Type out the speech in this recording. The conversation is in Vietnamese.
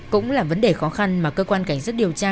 cũng là vấn đề khó khăn mà cơ quan cảnh sát điều tra